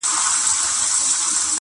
هغو زموږ په مټو یووړ تر منزله-